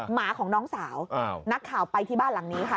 หมาของน้องสาวนักข่าวไปที่บ้านหลังนี้ค่ะ